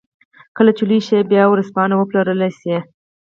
کله چې لوی شي بايد ورځپاڼې وپلورلای شي.